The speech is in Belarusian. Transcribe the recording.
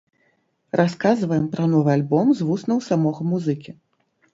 Расказваем пра новы альбом з вуснаў самога музыкі.